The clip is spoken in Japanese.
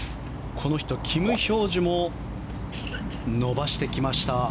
この人、キム・ヒョージュも伸ばしてきました。